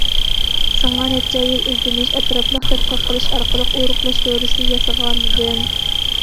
شۇڭا، نەچچە يىل ئىزدىنىش، ئەتراپلىق تەتقىق قىلىش ئارقىلىق ئورۇقلاش دورىسى ياسىغانىدىم.